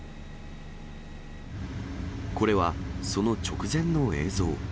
これは、その直前の映像。